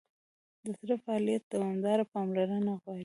د زړه فعالیت دوامداره پاملرنه غواړي.